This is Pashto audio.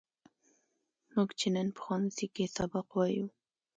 موږ چې نن په ښوونځي کې سبق وایو.